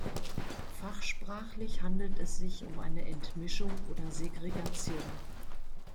Fachsprachlich handelt es sich um eine Entmischung oder Segregation.